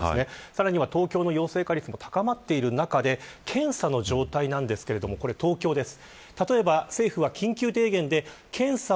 さらには東京の陽性化率も高まっている中で検査の状態ですが、東京です。